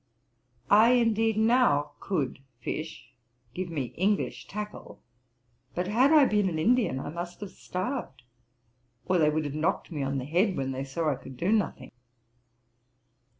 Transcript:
I indeed now could fish, give me English tackle; but had I been an Indian I must have starved, or they would have knocked me on the head, when they saw I could do nothing.'